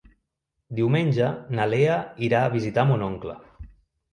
Diumenge na Lea irà a visitar mon oncle.